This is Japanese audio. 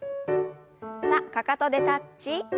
さあかかとでタッチ。